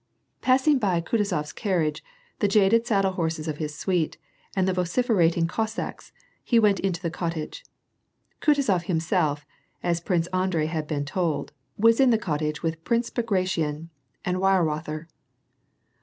Passing by Kutuzof's carriage, the jaded saddle horses of his suite, and the vociferating Cossacks, he went into the cottage. Kutuzof himself, as Prince Andrei had been told, was in the cottage with Prince Bagration and Weirother.